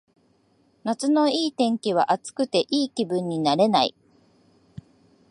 夏のいい天気は暑くていい気分になれない